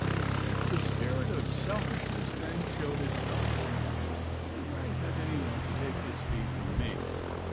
W. The spirit of selfishness then showed itself. What right had anyone to take this bee from me?